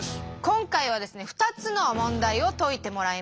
今回はですね２つの問題を解いてもらいます。